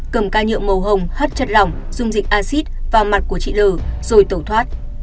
cầm ca nhựa màu hồng hắt chặt lỏng dung dịch acid vào mặt của chị l rồi tẩu thoát